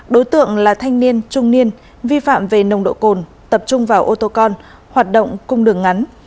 đối tượng là thanh niên trung niên vi phạm về nồng độ cồn tập trung vào ô tô con hoạt động cung đường ngắn